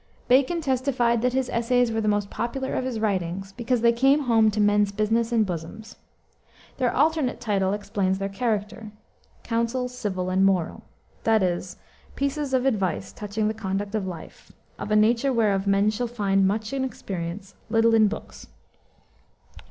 Bacon testified that his essays were the most popular of his writings because they "came home to men's business and bosoms." Their alternate title explains their character: Counsels Civil and Moral, that is, pieces of advice touching the conduct of life, "of a nature whereof men shall find much in experience, little in books."